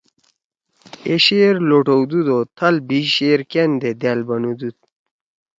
اے شعر لوٹؤدُود او تھال بیِش شعر کأن دے دأل بنُودُود